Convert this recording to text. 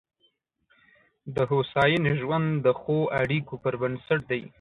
د هوساینې ژوند د ښو اړیکو پر بنسټ دی.